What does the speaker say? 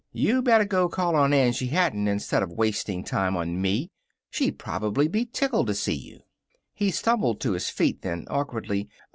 You better go call on Angie Hatton instead of wasting time on me. She'd probably be tickled to see you." He stumbled to his feet, then, awkwardly.